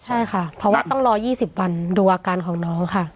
ใช่ค่ะต้องรอ๒๐วันดูอาการของน้องค่ะ